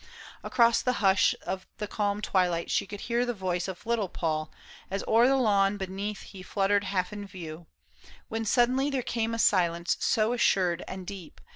Across the hush Of the calm twilight she could hear the voice Of little Paul, as o'er the lawn beneath He fluttered half in view, when suddenly There came a silence so assured and deep.